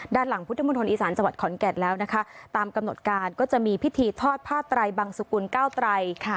ด้านหลังพุทธมนตร์อีสานจังหวัดขอนแก่นแล้วนะคะตามกำหนดการก็จะมีพิธีทอดผ้าไตรบังสุกุลเก้าไตร